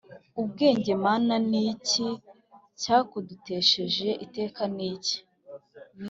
ubwenge Mana ni iki cyakudutesheje iteka Ni iki